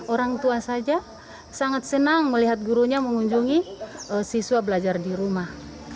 orang tua saja sangat senang melihat gurunya mengunjungi siswa belajar di rumah